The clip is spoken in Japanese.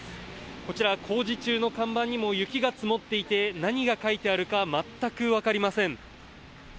こちら、工事中の看板にも雪が積もっていて何が書いてあるか全くわかりません。